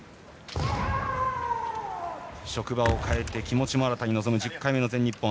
職場を変えて気持ちも新たに望む１０回目の全日本。